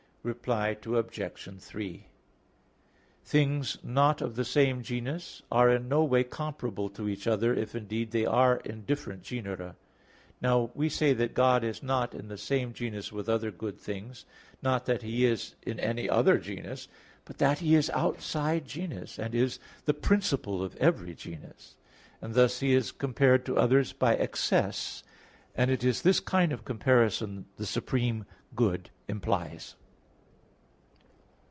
Reply Obj. 3: Things not of the same genus are in no way comparable to each other if indeed they are in different genera. Now we say that God is not in the same genus with other good things; not that He is any other genus, but that He is outside genus, and is the principle of every genus; and thus He is compared to others by excess, and it is this kind of comparison the supreme good implies.